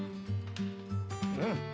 うん！